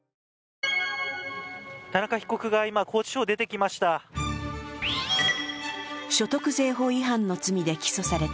田中被告が今、拘置所を出てきました。